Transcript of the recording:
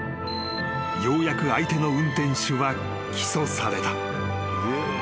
［ようやく相手の運転手は起訴された］